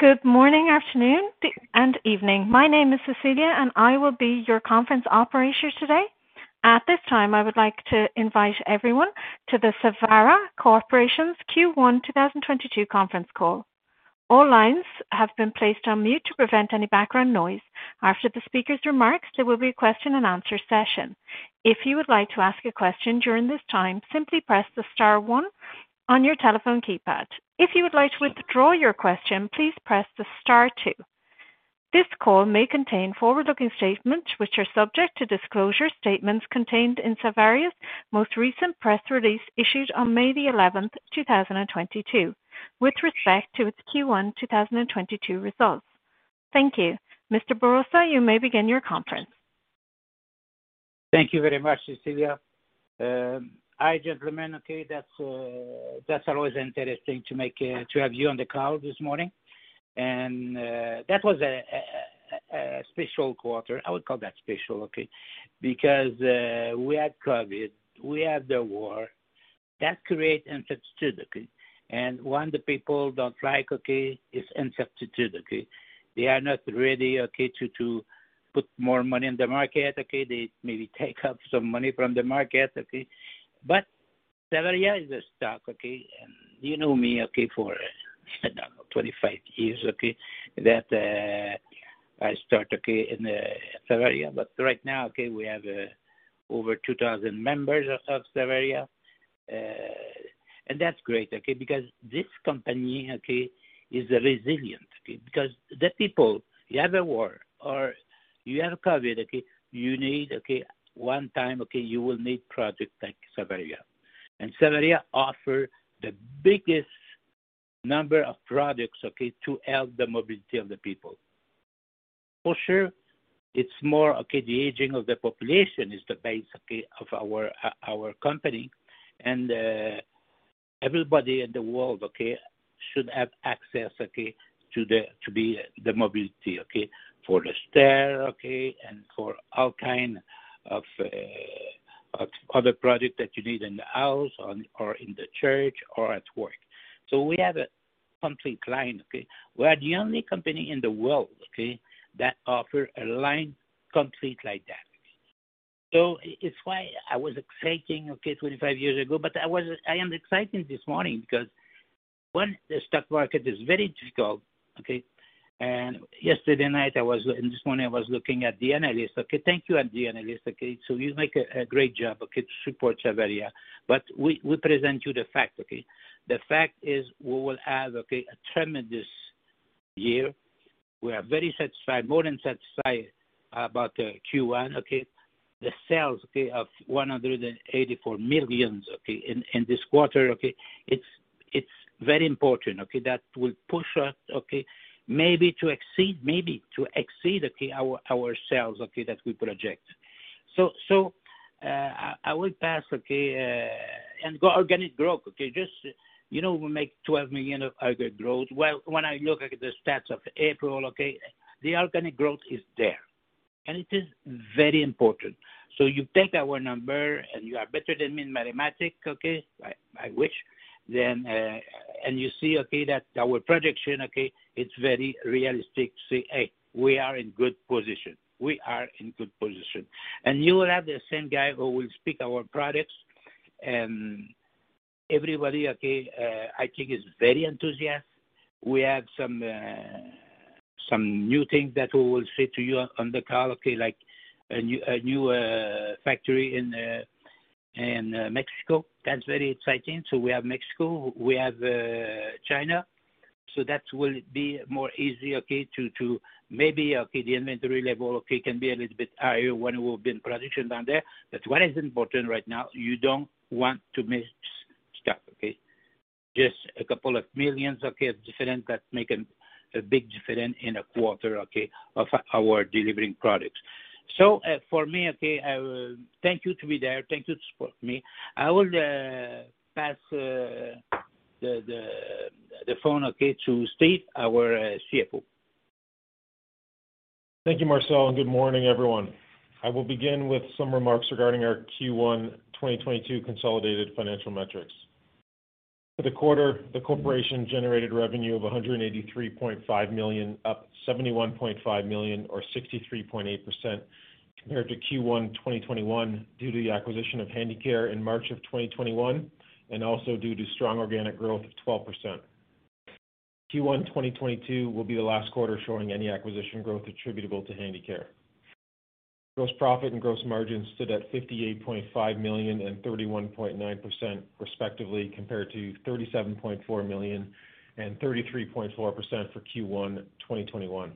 Good morning, afternoon, and evening. My name is Cecilia, and I will be your conference operator today. At this time, I would like to invite everyone to the Savaria Corporation's Q1 2022 conference call. All lines have been placed on mute to prevent any background noise. After the speaker's remarks, there will be a question and answer session. If you would like to ask a question during this time, simply press the star one on your telephone keypad. If you would like to withdraw your question, please press the star two. This call may contain forward-looking statements, which are subject to disclosure statements contained in Savaria's most recent press release issued on May 11, 2022, with respect to its Q1 2022 results. Thank you. Mr. Bourassa, you may begin your conference. Thank you very much, Cecilia. Hi, gentlemen. Okay. That's always interesting to have you on the call this morning. That was a special quarter. I would call that special, okay? Because we had COVID, we had the war. That creates uncertainty, okay. One thing the people don't like, okay, it's uncertainty, okay. They are not ready, okay, to put more money in the market, okay. They may take out some money from the market, okay. But Savaria is a stock, okay. You know me, okay, for, I don't know, 25 years, okay, that I started, okay, in Savaria. But right now, okay, we have over 2,000 members of Savaria. That's great, okay? Because this company, okay, is resilient, okay. Because the people, you have a war or you have COVID, okay, you need, okay, one time, okay, you will need product like Savaria. Savaria offers the largest number of products, okay, to help the mobility of the people. For sure, it's more, okay, the aging of the population is the base, okay, of our company. Everybody in the world, okay, should have access, okay, to the, to be the mobility, okay, for the stair, okay, and for all kind of other product that you need in the house or in the church or at work. We have a complete line, okay. We are the only company in the world, okay, that offer such a complete line. That's why I was excited 25 years ago, but I am excited this morning because, one, the stock market is very difficult. Yesterday night and this morning, I was looking at the analyst. Thank you to the analyst. You do a great job to support Savaria. We present you the fact. The fact is we will have a tremendous year. We are very satisfied, more than satisfied about the Q1. The sales of 184 million in this quarter. It's very important that will push us maybe to exceed our sales that we project. I will pass and go organic growth. You know, we make 12 million of organic growth. Well, when I look at the stats of April, the organic growth is there, and it is very important. You take our number, and you are better than me in mathematics. I wish. You see that our projection, it's very realistic to say, "Hey, we are in good position." We are in good position. You will have the same guy who will speak our products. Everybody I think is very enthusiastic. We have some new things that we will say to you on the call, like a new factory in Mexico. That's very exciting. We have Mexico. We have China. That will make it easier to manage inventory levels a little bit higher when we've been projecting down there. What is important right now, you don't want to miss stuff. Just 2 million of difference that makes a big difference in a quarter of our delivering products. For me, I will thank you to be there. Thank you for supporting me. I will pass the phone to Steve, our CFO. Thank you, Marcel, and good morning, everyone. I will begin with some remarks regarding our Q1 2022 consolidated financial metrics. For the quarter, the corporation generated revenue of 183.5 million, up 71.5 million or 63.8% compared to Q1 2021 due to the acquisition of Handicare in March 2021 and also due to strong organic growth of 12%. Q1 2022 will be the last quarter showing any acquisition growth attributable to Handicare. Gross profit and gross margin stood at 58.5 million and 31.9% respectively, compared to 37.4 million and 33.4% for Q1 2021.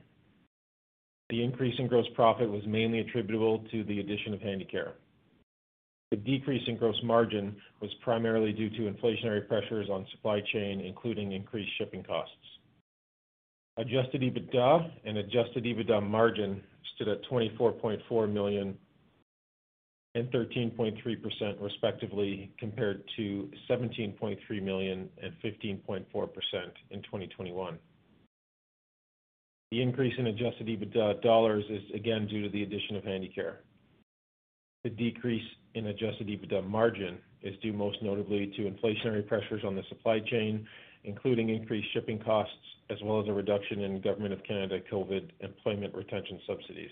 The increase in gross profit was mainly attributable to the addition of Handicare. The decrease in gross margin was primarily due to inflationary pressures on supply chain, including increased shipping costs. Adjusted EBITDA and adjusted EBITDA margin stood at 24.4 million and 13.3% respectively, compared to 17.3 million and 15.4% in 2021. The increase in adjusted EBITDA dollars is again due to the addition of Handicare. The decrease in adjusted EBITDA margin is due most notably to inflationary pressures on the supply chain, including increased shipping costs, as well as a reduction in Government of Canada COVID employment retention subsidies.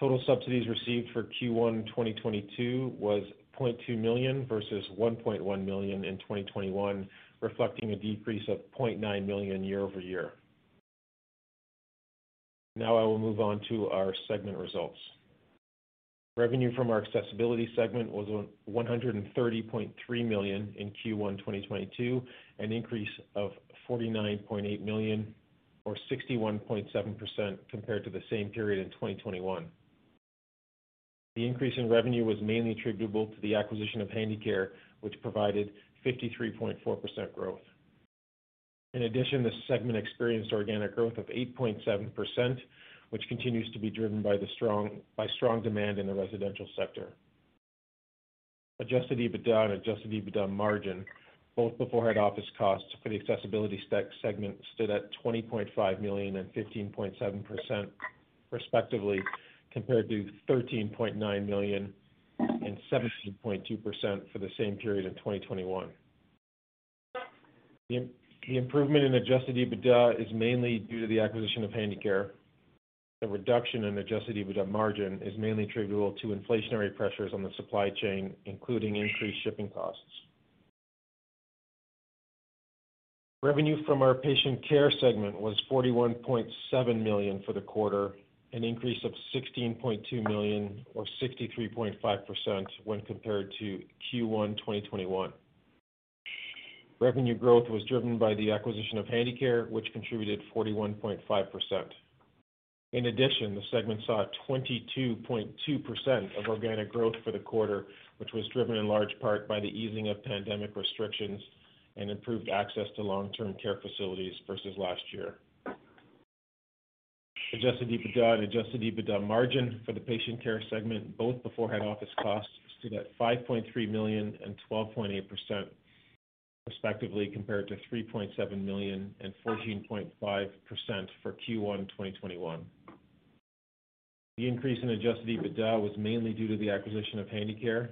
Total subsidies received for Q1 2022 was 0.2 million versus 1.1 million in 2021, reflecting a decrease of 0.9 million year over year. Now I will move on to our segment results. Revenue from our accessibility segment was 130.3 million in Q1 2022, an increase of 49.8 million or 61.7% compared to the same period in 2021. The increase in revenue was mainly attributable to the acquisition of Handicare, which provided 53.4% growth. In addition, the segment experienced organic growth of 8.7%, which continues to be driven by strong demand in the residential sector. Adjusted EBITDA and adjusted EBITDA margin, both before head office costs for the accessibility segment, stood at 20.5 million and 15.7% respectively, compared to 13.9 million and 17.2% for the same period in 2021. The improvement in adjusted EBITDA is mainly due to the acquisition of Handicare. The reduction in adjusted EBITDA margin is mainly attributable to inflationary pressures on the supply chain, including increased shipping costs. Revenue from our patient care segment was 41.7 million for the quarter, an increase of 16.2 million or 63.5% when compared to Q1 2021. Revenue growth was driven by the acquisition of Handicare, which contributed 41.5%. In addition, the segment saw 22.2% of organic growth for the quarter, which was driven in large part by the easing of pandemic restrictions and improved access to long-term care facilities versus last year. Adjusted EBITDA and adjusted EBITDA margin for the patient care segment, both before head office costs, stood at 5.3 million and 12.8% respectively compared to 3.7 million and 14.5% for Q1 2021. The increase in adjusted EBITDA was mainly due to the acquisition of Handicare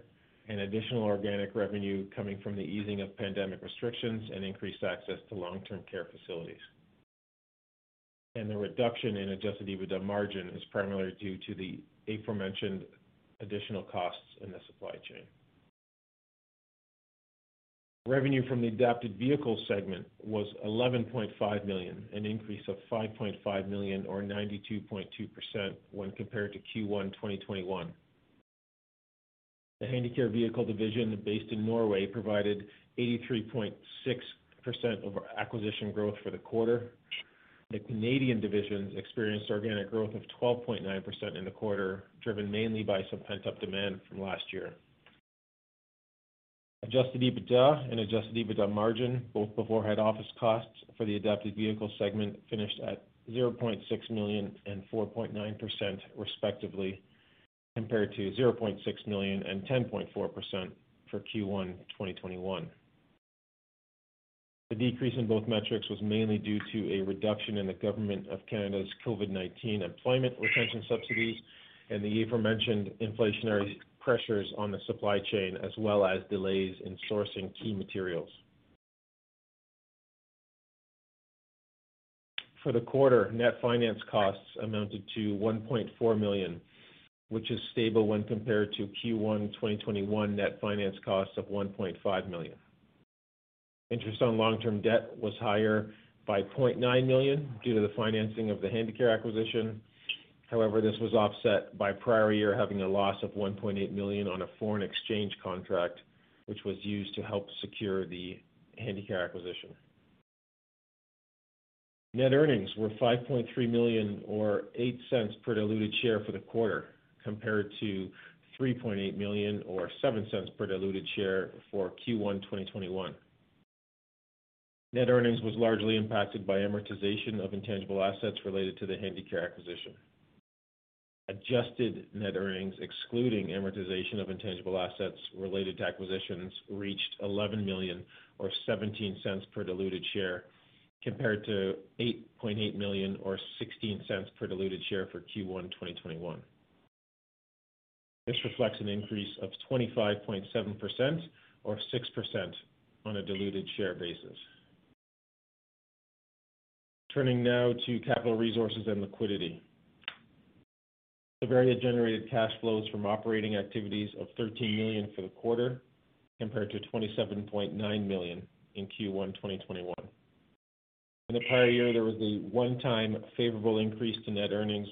and additional organic revenue coming from the easing of pandemic restrictions and increased access to long-term care facilities. The reduction in adjusted EBITDA margin is primarily due to the aforementioned additional costs in the supply chain. Revenue from the adapted vehicles segment was 11.5 million, an increase of 5.5 million or 92.2% when compared to Q1 2021. The Handicare vehicle division based in Norway provided 83.6% of our acquisition growth for the quarter. The Canadian divisions experienced organic growth of 12.9% in the quarter, driven mainly by some pent-up demand from last year. Adjusted EBITDA and adjusted EBITDA margin, both before head office costs for the adapted vehicles segment, finished at 0.6 million and 4.9% respectively compared to 0.6 million and 10.4% for Q1 2021. The decrease in both metrics was mainly due to a reduction in the Government of Canada's COVID-19 employment retention subsidies and the aforementioned inflationary pressures on the supply chain, as well as delays in sourcing key materials. For the quarter, net finance costs amounted to 1.4 million, which is stable when compared to Q1 2021 net finance costs of 1.5 million. Interest on long-term debt was higher by 0.9 million due to the financing of the Handicare acquisition. However, this was offset by prior year having a loss of 1.8 million on a foreign exchange contract, which was used to help secure the Handicare acquisition. Net earnings were 5.3 million or 0.08 per diluted share for the quarter, compared to 3.8 million or 0.07 per diluted share for Q1 2021. Net earnings was largely impacted by amortization of intangible assets related to the Handicare acquisition. Adjusted net earnings, excluding amortization of intangible assets related to acquisitions, reached 11 million or 0.17 per diluted share, compared to 8.8 million or 0.16 per diluted share for Q1 2021. This reflects an increase of 25.7% or 6% on a diluted share basis. Turning now to capital resources and liquidity. Savaria generated cash flows from operating activities of 13 million for the quarter compared to 27.9 million in Q1 2021. In the prior year, there was a one-time favorable increase to net earnings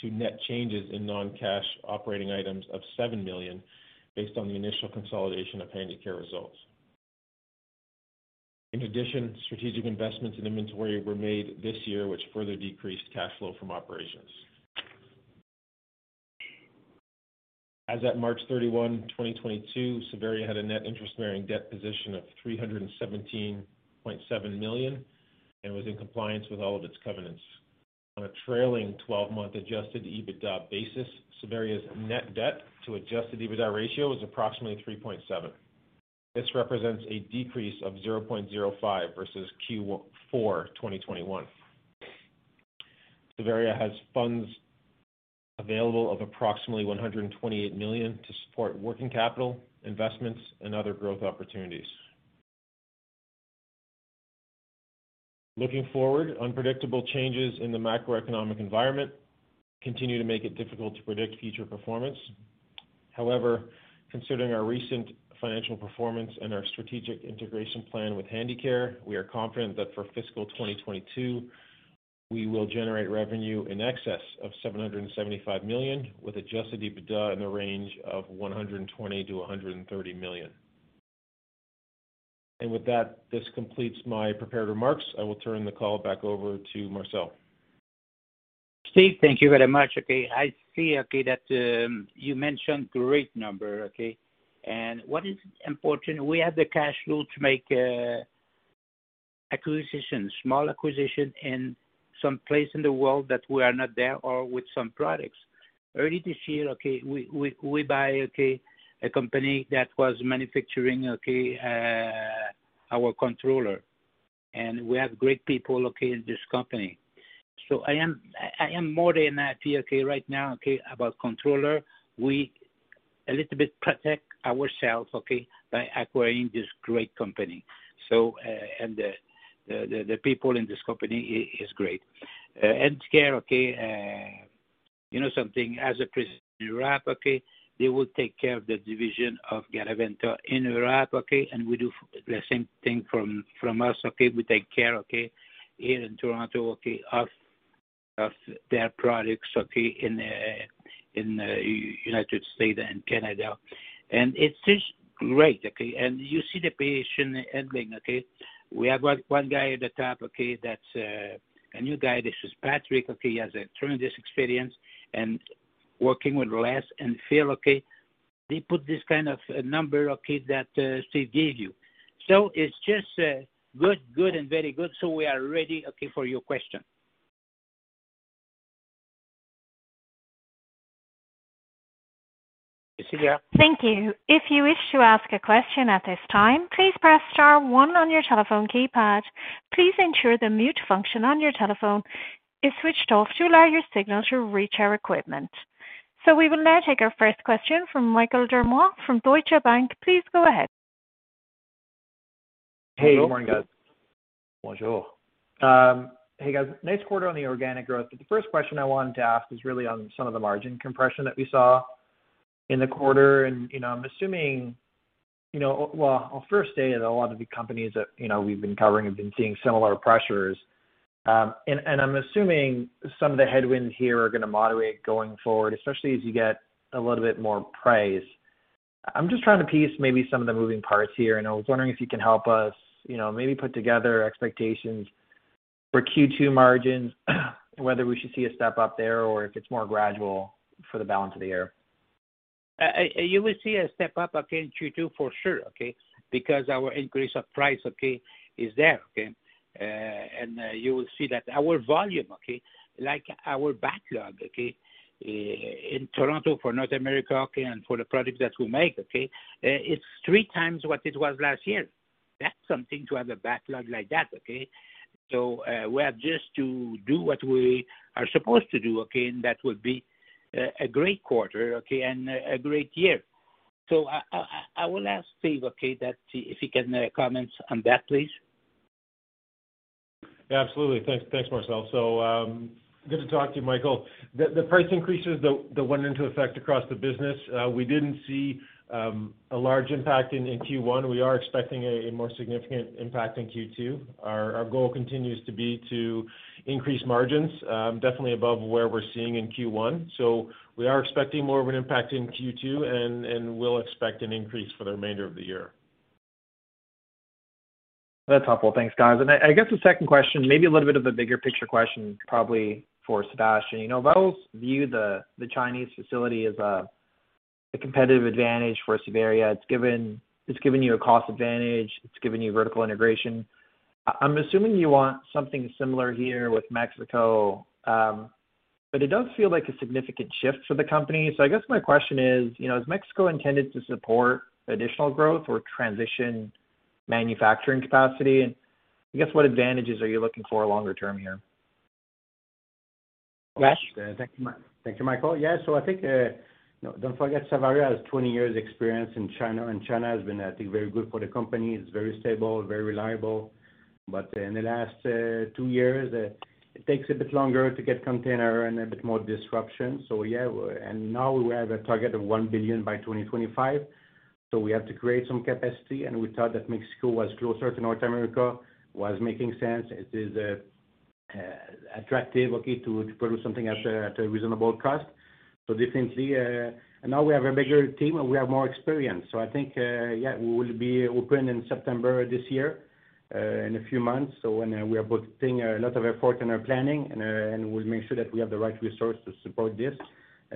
to net changes in non-cash operating items of 7 million based on the initial consolidation of Handicare results. In addition, strategic investments in inventory were made this year, which further decreased cash flow from operations. As at March 31, 2022, Savaria had a net interest-bearing debt position of 317.7 million and was in compliance with all of its covenants. On a trailing twelve-month adjusted EBITDA basis, Savaria's net debt to adjusted EBITDA ratio was approximately 3.7. This represents a decrease of 0.05 versus Q4 2021. Savaria has funds available of approximately 128 million to support working capital, investments and other growth opportunities. Looking forward, unpredictable changes in the macroeconomic environment continue to make it difficult to predict future performance. However, considering our recent financial performance and our strategic integration plan with Handicare, we are confident that for fiscal 2022, we will generate revenue in excess of 775 million, with adjusted EBITDA in the range of 120 million-130 million. With that, this completes my prepared remarks. I will turn the call back over to Marcel. Steve, thank you very much. Okay. I see, okay, that you mentioned great number, okay? What is important, we have the cash flow to make acquisitions, small acquisition in some place in the world that we are not there or with some products. Early this year, okay, we bought a company that was manufacturing our controller, and we have great people in this company. So I am more than happy, okay, right now, okay, about controller. We protect ourselves a little bit, okay, by acquiring this great company. So, the people in this company is great. Handicare, okay, you know, something as a presence in Europe, okay, they will take care of the division of Garaventa in Europe, okay? We do the same thing for us, okay? We take care here in Toronto of their products in the United States and Canada. It's just great. You see the patient handling. We have one guy at the top. That's a new guy. This is Patrick, he has a tremendous experience and working with Les and Phil. They put this kind of number that Steve gave you. It's just good and very good. We are ready for your question. Cecilia. Thank you. If you wish to ask a question at this time, please press star one on your telephone keypad. Please ensure the mute function on your telephone is switched off to allow your signal to reach our equipment. We will now take our first question from Michael Glen from Raymond James. Please go ahead. Hey. Good morning, guys. Bonjour. Hey, guys. Nice quarter on the organic growth. The first question I wanted to ask is really on some of the margin compression that we saw in the quarter. You know, I'm assuming, you know. Well, I'll first say that a lot of the companies that, you know, we've been covering have been seeing similar pressures. I'm assuming some of the headwinds here are gonna moderate going forward, especially as you get a little bit more price. I'm just trying to piece maybe some of the moving parts here, and I was wondering if you can help us, you know, maybe put together expectations for Q2 margins, whether we should see a step up there or if it's more gradual for the balance of the year. You will see a step up, okay, in Q2 for sure, okay? Because our increase of price, okay, is there, okay? You will see that our volume, okay, like our backlog, okay, in Toronto for North America, okay, and for the products that we make, okay, it's three times what it was last year. That's something to have a backlog like that, okay? We have just to do what we are supposed to do, okay? That would be a great quarter, okay? A great year. I will ask Steve, okay, that if he can comment on that, please. Yeah, absolutely. Thanks. Thanks, Marcel. Good to talk to you, Michael. The price increases that went into effect across the business, we didn't see a large impact in Q1. We are expecting a more significant impact in Q2. Our goal continues to be to increase margins, definitely above where we're seeing in Q1. We are expecting more of an impact in Q2 and we'll expect an increase for the remainder of the year. That's helpful. Thanks, guys. I guess the second question, maybe a little bit of a bigger picture question, probably for Sébastien. You know, let's view the Chinese facility as a competitive advantage for Savaria. It's given you a cost advantage, it's given you vertical integration. I'm assuming you want something similar here with Mexico, but it does feel like a significant shift for the company. I guess my question is, you know, is Mexico intended to support additional growth or transition manufacturing capacity? I guess, what advantages are you looking for longer term here? Bash. Thank you. Thank you, Michael. Yeah. I think, no, don't forget, Savaria has 20 years experience in China, and China has been, I think, very good for the company. It's very stable, very reliable. In the last 2 years, it takes a bit longer to get container and a bit more disruption. Yeah. Now we have a target of 1 billion by 2025, so we have to create some capacity. We thought that Mexico was closer to North America, was making sense. It is attractive, okay, to produce something at a reasonable cost. Definitely, now we have a bigger team, and we have more experience. I think, yeah, we will be open in September this year, in a few months. When we are putting a lot of effort in our planning and we'll make sure that we have the right resources to support this.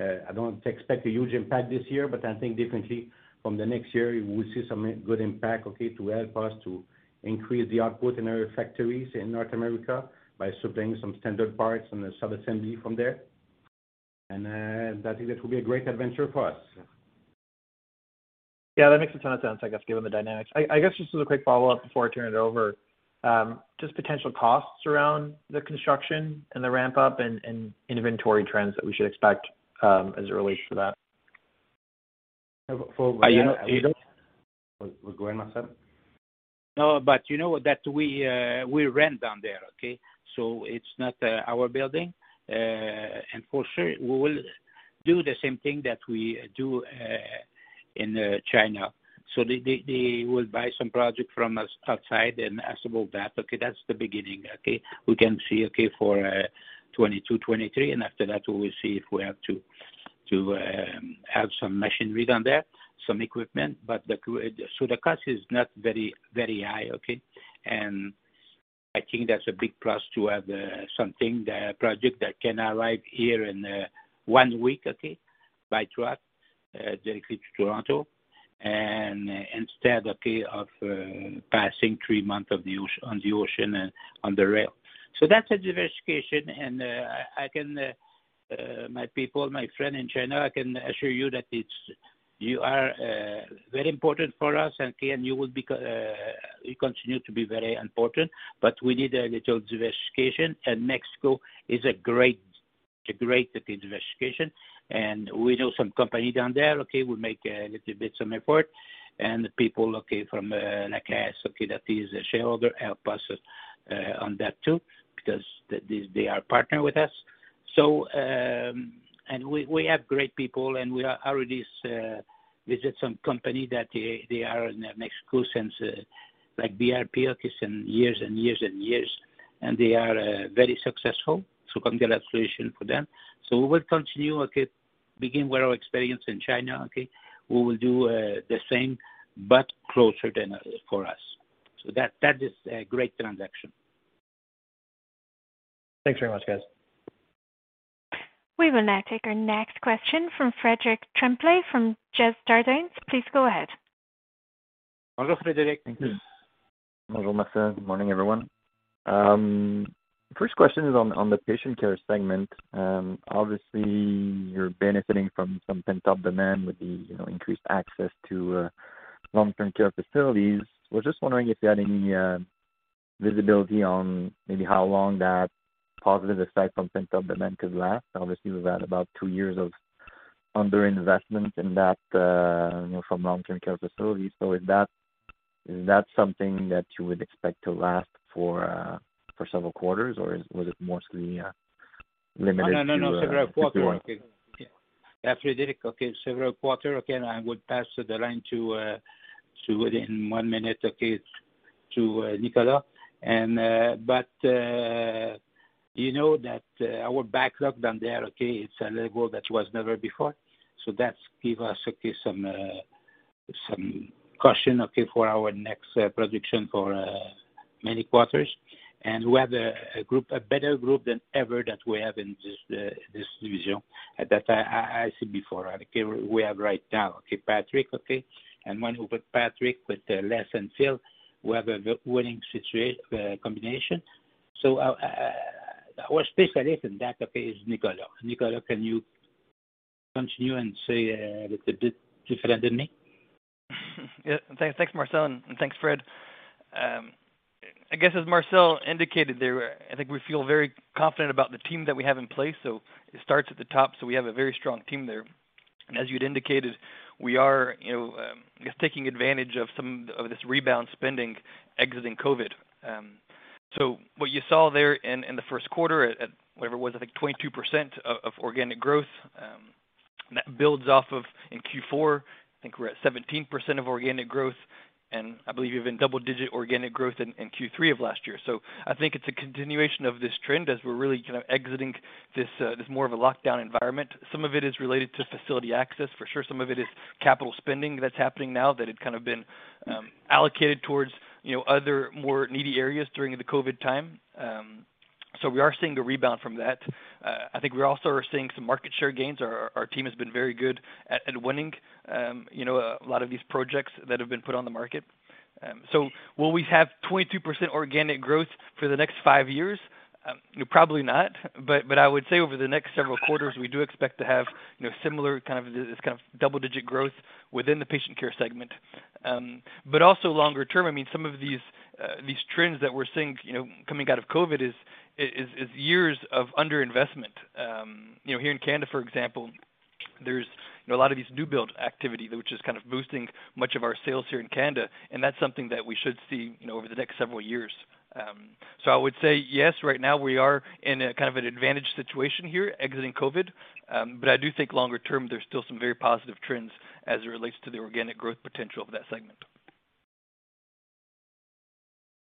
I don't expect a huge impact this year, but I think differently from the next year, we will see some good impact, okay, to help us to increase the output in our factories in North America by supplying some standard parts and sub-assembly from there. That is, it will be a great adventure for us. Yeah, that makes a ton of sense, I guess, given the dynamics. I guess just as a quick follow-up before I turn it over, just potential costs around the construction and the ramp up and inventory trends that we should expect, as it relates to that. For, for- Are you done? Go ahead, Marcel. No, you know what? That we rent down there, okay? It's not our building. For sure we will do the same thing that we do in China. They will buy some project from us outside and assemble that. Okay, that's the beginning, okay? We can see, okay, for 2022, 2023, and after that we will see if we have to have some machinery down there, some equipment. So the cost is not very high, okay? I think that's a big plus to have something, the project that can arrive here in one week, okay, by truck directly to Toronto. Instead, okay, of passing three months on the ocean and on the rail. That's a diversification. I can assure you that it's you are very important for us, you continue to be very important, but we need a little diversification, and Mexico is a great diversification. We know some companies down there, okay? We make a little bit some effort and people, okay, from CDPQ, okay, that is a shareholder, help us on that too, because they are partnering with us. We have great people, and we are already visit some companies that they are in Mexico since like BRP, okay, some years and years and years, and they are very successful. Congratulations for them. We will continue, okay, begin with our experience in China, okay? We will do the same but closer than for us. That is a great transaction. Thanks very much, guys. We will now take our next question from Frederic Tremblay from Desjardins. Please go ahead. Hello, Frederic. Thank you. Bonjour Marcel. Morning, everyone. First question is on the patient care segment. Obviously you're benefiting from some pent-up demand with the, you know, increased access to long-term care facilities. Was just wondering if you had any visibility on maybe how long that positive effect from pent-up demand could last. Obviously, we've had about two years of underinvestment in that, you know, from long-term care facilities. Is that something that you would expect to last for several quarters, or was it mostly limited to- No, several quarters. Twenty-one. After that, several quarters. Again, I would pass the line to within one minute to Nicolas. You know that our backlog down there is a level that was never before. That gives us some caution for our next projection for many quarters. We have a better group than ever that we have in this division that I said before. We have right now Patrick, and with Patrick with Les and Phil, we have a winning combination. Our specialist in that is Nicolas. Nicolas, can you continue and say it a little differently than me? Yeah. Thanks. Thanks, Marcel, and thanks, Fred. I guess as Marcel indicated there, I think we feel very confident about the team that we have in place. It starts at the top, so we have a very strong team there. As you'd indicated, we are, you know, I guess, taking advantage of some of this rebound spending exiting COVID. What you saw there in the first quarter at whatever it was, I think 22% of organic growth, that builds off of in Q4, I think we're at 17% of organic growth. I believe even double-digit organic growth in Q3 of last year. I think it's a continuation of this trend as we're really kind of exiting this more of a lockdown environment. Some of it is related to facility access for sure. Some of it is capital spending that's happening now that had kind of been allocated towards, you know, other more needy areas during the COVID time. We are seeing a rebound from that. I think we're also seeing some market share gains. Our team has been very good at winning, you know, a lot of these projects that have been put on the market. Will we have 22% organic growth for the next five years? No, probably not, but I would say over the next several quarters, we do expect to have, you know, similar kind of this kind of double-digit growth within the patient care segment. Also longer term, I mean, some of these trends that we're seeing, you know, coming out of COVID is years of under-investment. You know, here in Canada, for example, there's, you know, a lot of these new build activity which is kind of boosting much of our sales here in Canada, and that's something that we should see, you know, over the next several years. I would say yes, right now we are in a kind of an advantage situation here exiting COVID, but I do think longer term there's still some very positive trends as it relates to the organic growth potential of that segment.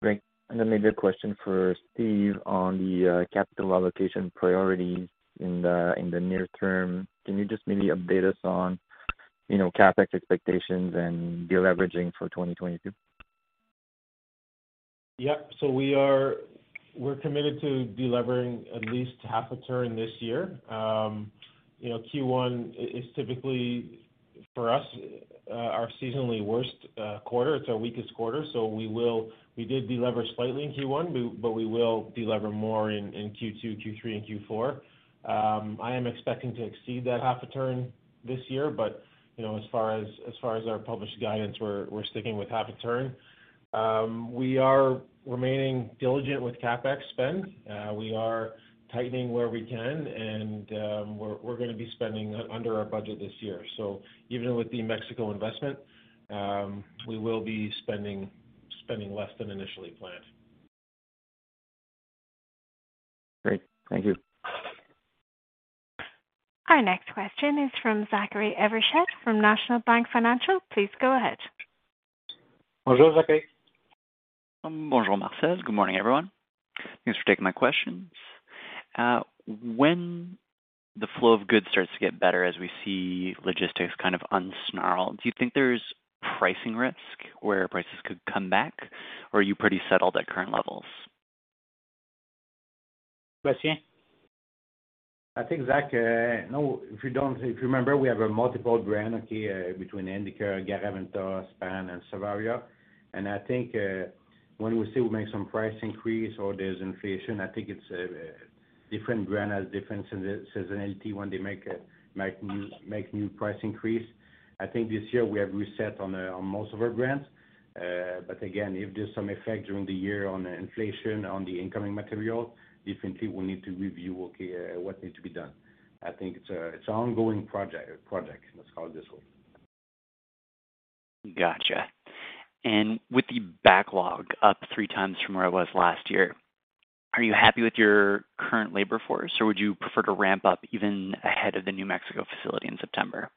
Great. Maybe a question for Steve on the capital allocation priorities in the near term. Can you just maybe update us on, you know, CapEx expectations and de-leveraging for 2022? Yeah. We are. We're committed to delivering at least half a turn this year. You know Q1 is typically for us, our seasonally worst quarter. It's our weakest quarter. We did delever slightly in Q1, but we will delever more in Q2, Q3, and Q4. I am expecting to exceed that half a turn this year, but you know, as far as our published guidance, we're sticking with half a turn. We are remaining diligent with CapEx spend. We are tightening where we can and we're gonna be spending under our budget this year. Even with the Mexico investment, we will be spending less than initially planned. Great. Thank you. Our next question is from Zachary Evershed from National Bank Financial. Please go ahead. Bonjour, Zachary. Bonjour, Marcel. Good morning, everyone. Thanks for taking my questions. When the flow of goods starts to get better as we see logistics kind of unsnarl, do you think there's pricing risk where prices could come back, or are you pretty settled at current levels? Sebastien? I think Zach, if you remember, we have multiple brands, okay, between Handicare, Garaventa Lift, Span, and Savaria. I think when we say we make some price increase or there's inflation, I think a different brand has different seasonality when they make new price increase. I think this year we have reset on most of our brands. Again, if there's some effect during the year on inflation, on the incoming material, definitely we need to review, okay, what needs to be done. I think it's an ongoing project, let's call it this way. Gotcha. With the backlog up three times from where it was last year, are you happy with your current labor force, or would you prefer to ramp up even ahead of the Mexico facility in September?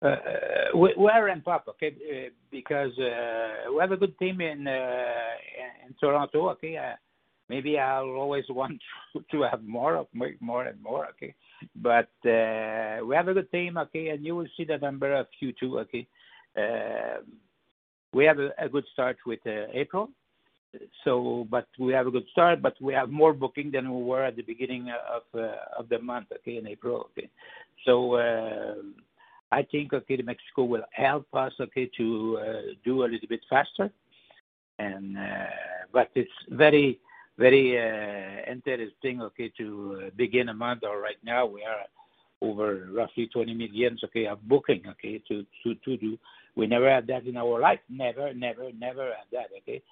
We are ramped up, okay, because we have a good team in Toronto, okay? Maybe I'll always want to have more and more, okay? We have a good team, okay? You will see the number of Q2, okay? We have a good start with April. We have a good start, but we have more booking than we were at the beginning of the month, okay, in April, okay? I think, okay, Mexico will help us, okay, to do a little bit faster. It's very interesting, okay, to begin a month or right now we are over roughly 20 million, okay, of booking, okay, to do. We never had that in our life. Never had that, okay?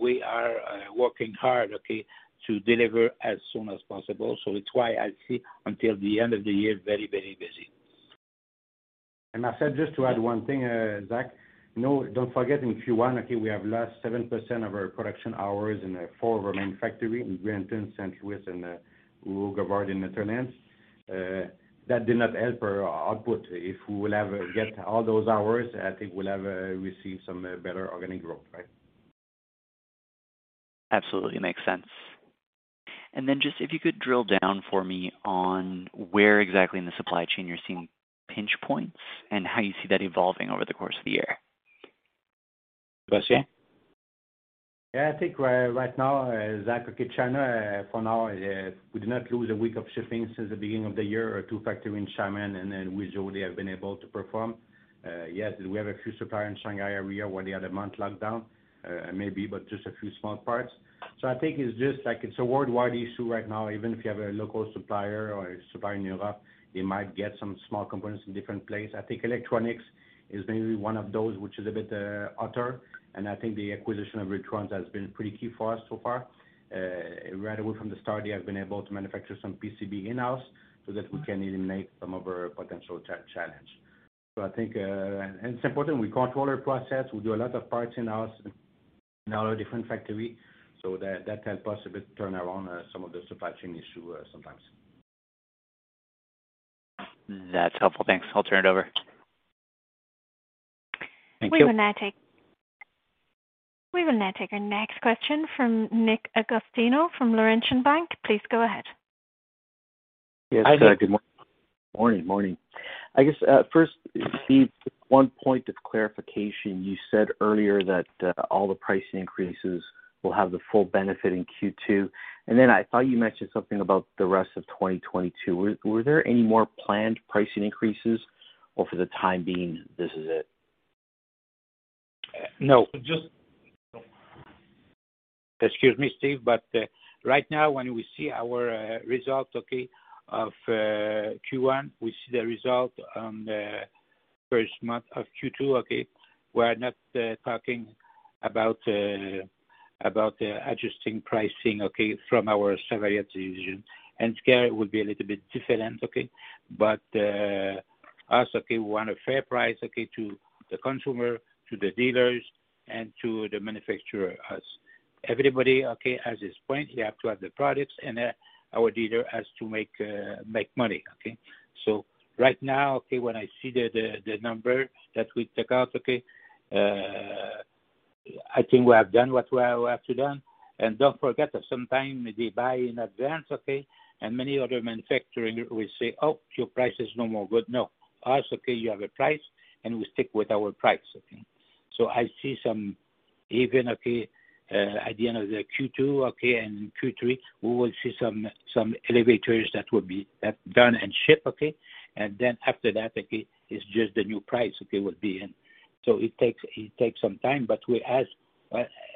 We are working hard, okay, to deliver as soon as possible. That's why I see until the end of the year very, very busy. Marcel, just to add one thing, Zach. No, don't forget in Q1, okay, we have lost 7% of our production hours in four of our main factories in Brampton, St. Louis and Heerhugowaard in Netherlands. That did not help our output. If we will ever get all those hours, I think we'll have receive some better organic growth, right? Absolutely. Makes sense. Just if you could drill down for me on where exactly in the supply chain you're seeing pinch points and how you see that evolving over the course of the year. Sebastien? Yeah. I think right now, Zach, okay, China, for now, we did not lose a week of shipping since the beginning of the year. Our two factory in Xiamen and then Wuzhou, they have been able to perform. Yes, we have a few supplier in Shanghai area where they had a month lockdown, maybe, but just a few small parts. I think it's just like it's a worldwide issue right now. Even if you have a local supplier or a supplier in Europe, they might get some small components in different place. I think electronics is maybe one of those which is a bit harder. I think the acquisition of Ultron has been pretty key for us so far. Right away from the start, they have been able to manufacture some PCB in-house so that we can eliminate some of our potential challenge. I think it's important we control our process. We do a lot of parts in-house in our different factory, so that helps us a bit turn around some of the supply chain issue, sometimes. That's helpful. Thanks. I'll turn it over. Thank you. We will now take our next question from Nick Agostino from Laurentian Bank. Please go ahead. Hi, Nick. Yes. Good morning. Morning. I guess, first, Steve, one point of clarification. You said earlier that all the pricing increases will have the full benefit in Q2. Then I thought you mentioned something about the rest of 2022. Were there any more planned pricing increases or for the time being this is it? No. Excuse me, Steve. Right now when we see our results of Q1, we see the result on the first month of Q2. We're not talking about adjusting pricing from our Savaria division. Handicare would be a little bit different. Us, we want a fair price to the consumer, to the dealers and to the manufacturer, us. Everybody has his point. They have to have the products and our dealer has to make money. Right now, when I see the number that we take out, I think we have done what we have to done. Don't forget that sometimes they buy in advance. Many other manufacturers will say, "Oh, your price is no more good." No. Yes, okay, you have a price and we stick with our price, okay. I see some revenue, okay, at the end of the Q2, okay, and Q3, we will see some elevators that will be done and shipped, okay. Then after that, okay, it's just the new price, okay, will be in. It takes some time, but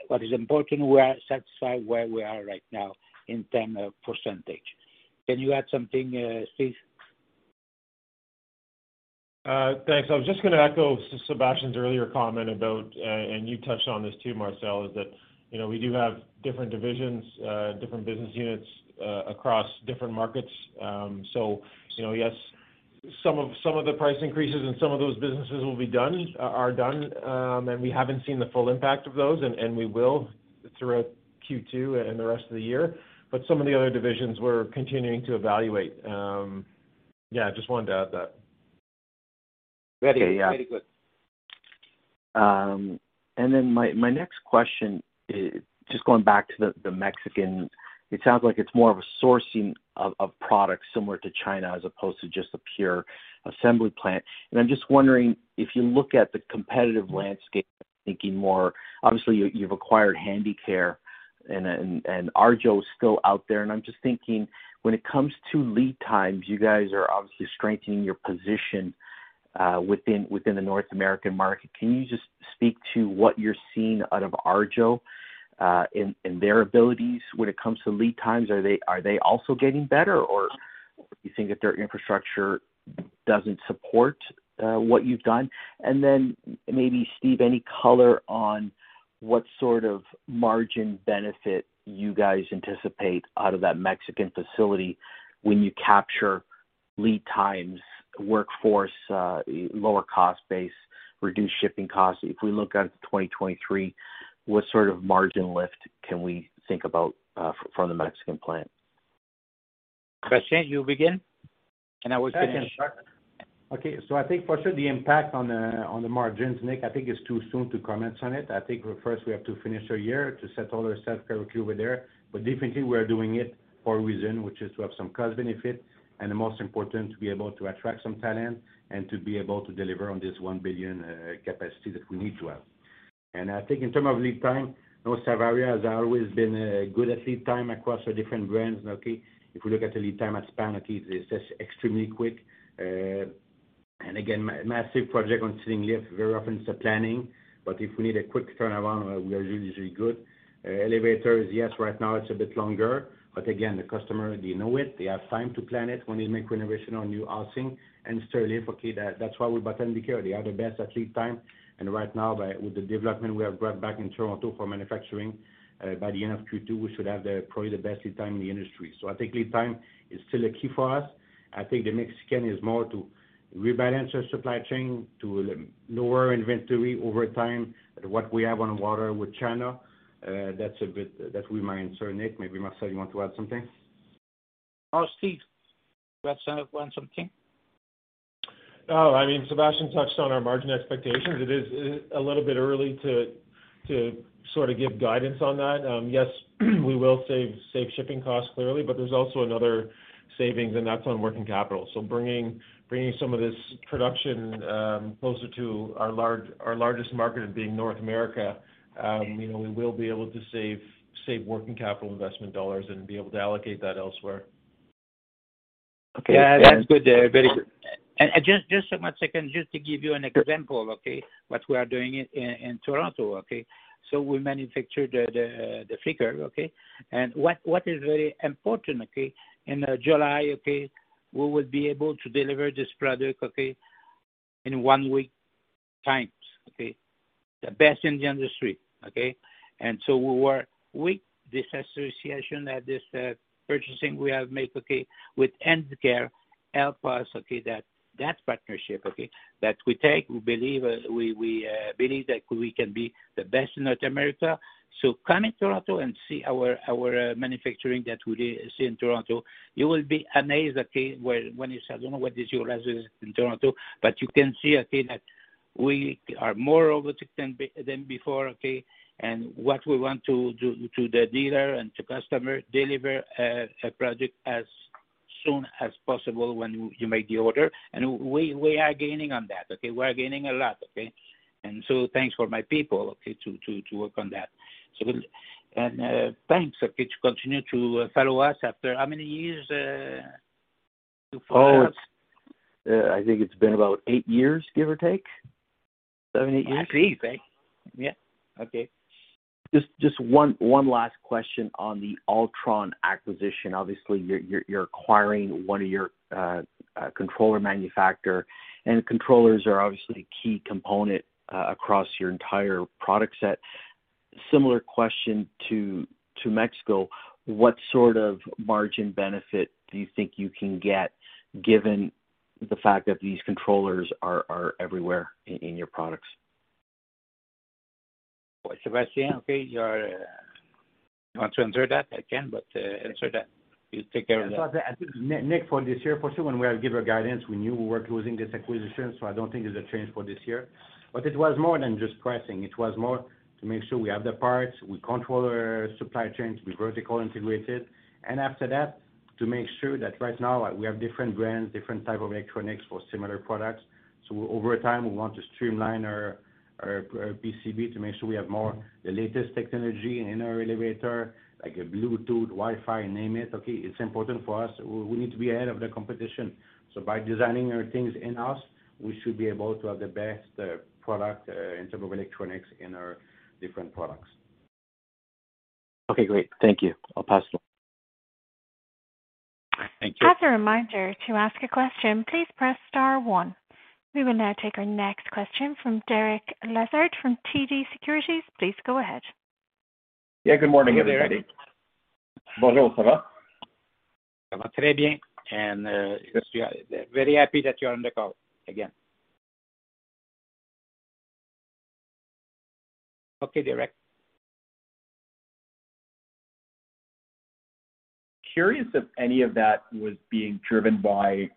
what is important, we are satisfied where we are right now in terms of percentage. Can you add something, Steve? Thanks. I was just gonna echo Sébastien's earlier comment about, and you touched on this too, Marcel, is that, you know, we do have different divisions, different business units, across different markets. You know, yes, some of the price increases and some of those businesses are done, and we haven't seen the full impact of those, and we will throughout Q2 and the rest of the year. Some of the other divisions we're continuing to evaluate. Yeah, just wanted to add that. Very good. Very good. Okay, yeah. Then my next question is just going back to the Mexico. It sounds like it's more of a sourcing of products similar to China as opposed to just a pure assembly plant. I'm just wondering if you look at the competitive landscape, thinking more, obviously you've acquired Handicare and Arjo's still out there. I'm just thinking when it comes to lead times, you guys are obviously strengthening your position within the North American market. Can you just speak to what you're seeing out of Arjo in their abilities when it comes to lead times? Are they also getting better or you think that their infrastructure doesn't support what you've done? Maybe Steve, any color on what sort of margin benefit you guys anticipate out of that Mexican facility when you capture lead times, workforce, lower cost base, reduced shipping costs. If we look out to 2023, what sort of margin lift can we think about from the Mexican plant? Sébastien, you begin. I will finish. Okay. I think for sure the impact on the margins, Nick, I think it's too soon to comment on it. I think first we have to finish our year to set all our set over there. Definitely we are doing it for a reason, which is to have some cost benefit and the most important, to be able to attract some talent and to be able to deliver on this 1 billion capacity that we need to have. I think in terms of lead time, you know, Savaria has always been good at lead time across our different brands, okay? If we look at the lead time at Span, okay, it's just extremely quick. And again, massive project on Sterling lift, very often it's the planning, but if we need a quick turnaround, we are really, really good. Elevator is, yes, right now it's a bit longer, but again, the customer, they know it, they have time to plan it when they make renovation on new housing. Sterling, okay, that's why we bought Handicare. They are the best at lead time. Right now with the development we have brought back in Toronto for manufacturing, by the end of Q2, we should have the, probably the best lead time in the industry. I think lead time is still a key for us. I think the Mexico is more to rebalance our supply chain, to lower inventory over time. What we have on water with China, that's a bit. That we might answer. Nick, maybe Marcel, you want to add something? No, Steve, you want to add something? No. I mean, Sébastien touched on our margin expectations. It is a little bit early to sort of give guidance on that. Yes, we will save shipping costs clearly, but there's also another savings, and that's on working capital. Bringing some of this production closer to our largest market as being North America, you know, we will be able to save working capital investment dollars and be able to allocate that elsewhere. Yeah. That's good. Very good. Just a second, just to give you an example, what we are doing in Toronto. We manufacture the FreeCurve. What is very important, in July, we will be able to deliver this product in 1 week's time. The best in the industry. We work with this acquisition that this purchase we have made with Handicare helps us, that partnership that we took. We believe we believe that we can be the best in North America. Come to Toronto and see our manufacturing in Toronto. You will be amazed, okay, when you say, "I don't know what is your presence in Toronto," but you can see, okay, that we are more robotic than before, okay? What we want to do to the dealer and to customer, deliver a project as soon as possible when you make the order. We are gaining on that, okay? We are gaining a lot, okay? Thanks to my people, okay, to work on that. Thanks, okay, to continue to follow us after how many years to follow us? Oh, it's, I think it's been about 8 years, give or take. 7, 8 years. I see. Yeah. Okay. Just one last question on the Ultron acquisition. Obviously, you're acquiring one of your controller manufacturer, and controllers are obviously a key component across your entire product set. Similar question to Mexico, what sort of margin benefit do you think you can get given the fact that these controllers are everywhere in your products? Sébastien, okay. You want to answer that? I can, but answer that. You take care of that. Nick, for this year, for sure when we have given guidance, we knew we were closing this acquisition, so I don't think there's a change for this year. It was more than just pricing. It was more to make sure we have the parts, we control our supply chains, we're vertically integrated. To make sure that right now we have different brands, different type of electronics for similar products. Over time, we want to streamline our PCB to make sure we have more of the latest technology in our elevator, like a Bluetooth, Wi-Fi, name it, okay. It's important for us. We need to be ahead of the competition. By designing our things in-house, we should be able to have the best product in terms of electronics in our different products. Okay, great. Thank you. I'll pass it on. Thank you. As a reminder, to ask a question, please press star one. We will now take our next question from Derek Lessard from TD Securities. Please go ahead. Yeah, good morning, everybody. Bonjour, ça va? Ça va très bien. Yes, we are very happy that you are on the call again. Okay, Derek. Curious if any of that was being driven by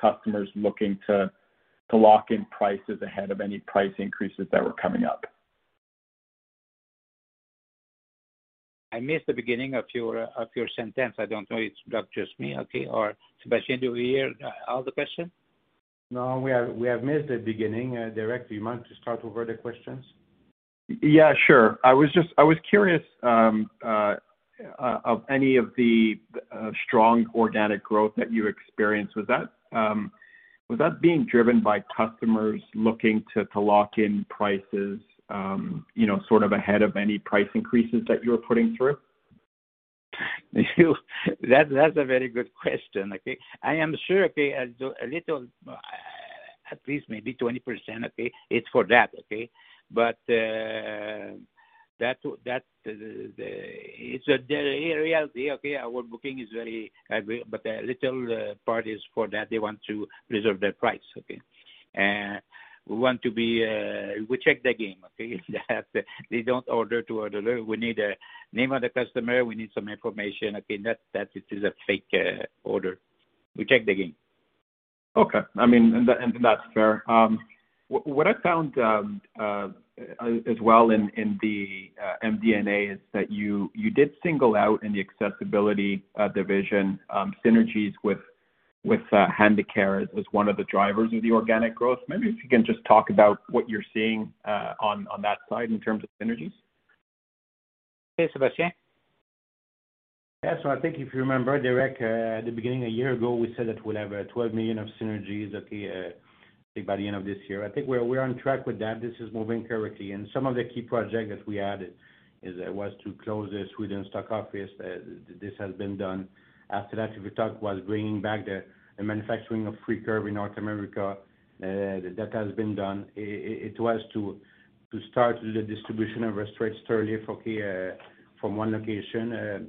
customers looking to lock in prices ahead of any price increases that were coming up. I missed the beginning of your sentence. I don't know if it's just me, okay. Sébastien, do you hear all the question? No, we have missed the beginning. Derek, do you mind to start over the questions? Yeah, sure. I was just curious about any of the strong organic growth that you experienced. Was that being driven by customers looking to lock in prices, you know, sort of ahead of any price increases that you were putting through? That's a very good question. Okay. I am sure, okay, a little, at least maybe 20%, okay, it's for that, okay? It's the reality, okay, our booking is very aggressive, but a little part is for that. They want to reserve their price, okay. We want to be, we check the name, okay. They don't order to order. We need the name of the customer. We need some information. Okay. That is a fake order. We check the name. Okay. I mean, that's fair. What I found, as well, in the MD&A is that you did single out in the accessibility division synergies with Handicare as one of the drivers of the organic growth. Maybe if you can just talk about what you're seeing on that side in terms of synergies. Okay, Sébastien. Yeah. I think if you remember, Derek, at the beginning a year ago, we said that we'd have 12 million of synergies, okay. I think by the end of this year. I think we're on track with that. This is moving correctly. Some of the key projects that we added was to close the Stockholm office. This has been done. After that, if we talk, was bringing back the manufacturing of FreeCurve in North America. That has been done. It was to start the distribution of our straight stairlift, okay, from 1 location,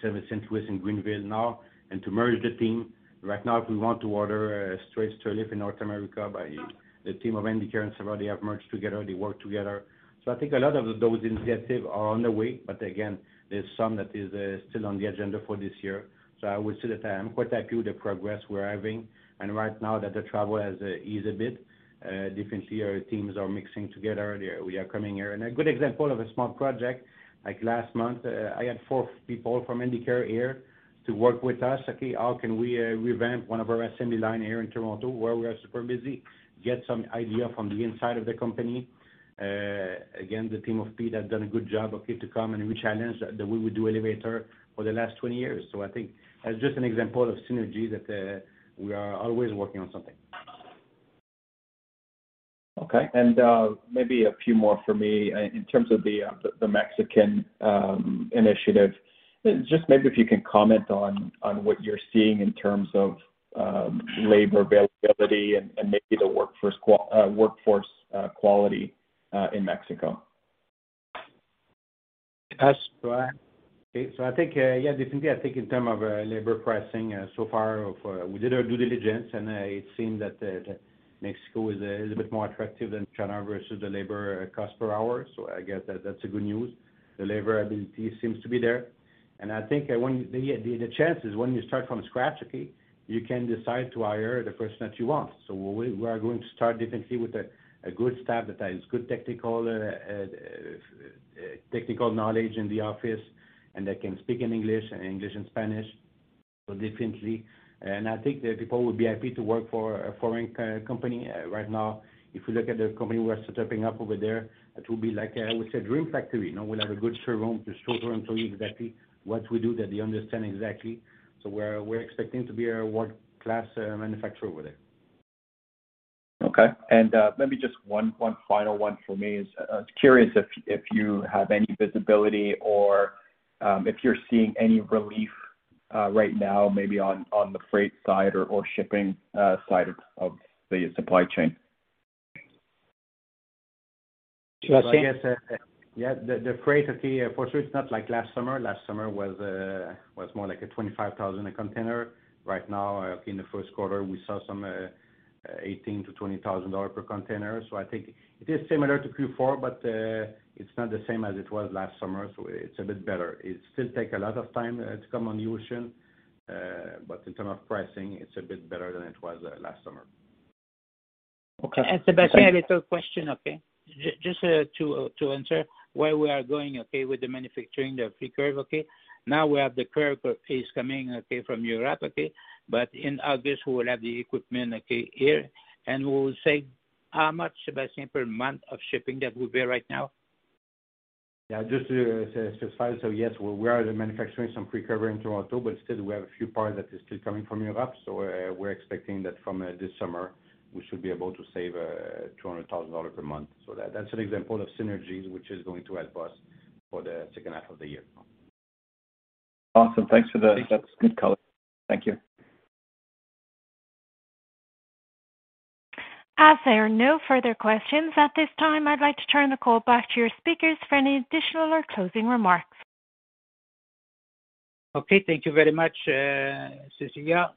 service center within Greenville now, and to merge the team. Right now, if we want to order a straight stairlift in North America by the team of Handicare and Savaria have merged together, they work together. I think a lot of those initiatives are on the way, but again, there's some that is still on the agenda for this year. I would say that I am quite happy with the progress we're having. Right now that the travel has eased a bit, definitely our teams are mixing together. We are coming here. A good example of a small project, like last month, I had four people from Handicare here to work with us. Okay, how can we revamp one of our assembly line here in Toronto where we are super busy, get some idea from the inside of the company. Again, the team of Pete has done a good job, okay, to come and re-challenge the way we do elevator for the last 20 years. I think that's just an example of synergy that we are always working on something. Okay. Maybe a few more for me in terms of the Mexican initiative. Just maybe if you can comment on what you're seeing in terms of labor availability and maybe the workforce quality in Mexico. That's right. I think, yeah, definitely, I think in terms of labor pricing, so far as of, we did our due diligence, and it seemed that Mexico is a little bit more attractive than China versus the labor cost per hour. I guess that's good news. The labor availability seems to be there. I think the chances when you start from scratch, okay, you can decide to hire the person that you want. We are going to start definitely with a good staff that has good technical knowledge in the office and that can speak English and Spanish. Definitely. I think the people would be happy to work for a foreign company right now. If you look at the company we're setting up over there, it will be like, I would say, dream factory. You know, we'll have a good showroom to show them, show you exactly what we do, that they understand exactly. We're expecting to be a world-class manufacturer over there. Okay. Maybe just one final one for me. I'm curious if you have any visibility or if you're seeing any relief right now maybe on the freight side or shipping side of the supply chain. Yeah, the freight, okay, for sure it's not like last summer. Last summer was more like a $25,000 a container. Right now, in the first quarter, we saw some $18,000-$20,000 per container. I think it is similar to Q4, but it's not the same as it was last summer, so it's a bit better. It still takes a lot of time to come on the ocean, but in terms of pricing, it's a bit better than it was last summer. Okay. Sébastien, a little question, okay. Just to answer where we are going, okay, with the manufacturing the FreeCurve, okay. Now we have the FreeCurve is coming, okay, from Europe, okay. In August, we will have the equipment, okay, here. We will save how much, Sébastien, per month of shipping that will be right now? Yeah, just to specify. Yes, we are manufacturing some FreeCurve in Toronto, but still we have a few parts that is still coming from Europe. We're expecting that from this summer, we should be able to save 200,000 dollars per month. That, that's an example of synergies which is going to help us for the second half of the year. Awesome. Thanks for that. That's good color. Thank you. As there are no further questions at this time, I'd like to turn the call back to your speakers for any additional or closing remarks. Okay. Thank you very much, Cecilia.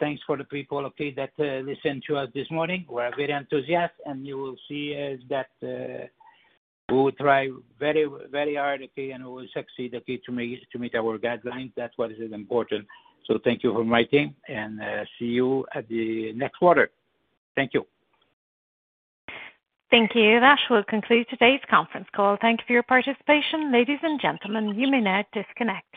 Thanks for the people, okay, that listened to us this morning. We are very enthusiastic, and you will see that we will try very, very hard, okay, and we will succeed, okay, to meet our guidelines. That's what is important. Thank you from my team, and see you at the next quarter. Thank you. Thank you. That will conclude today's conference call. Thank you for your participation. Ladies and gentlemen, you may now disconnect.